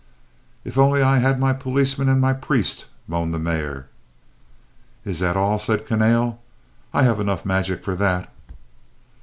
"If I only had my policemen and my priest," moaned the Mayor. "Is that all?" said Kahnale. "I have enough magic for that."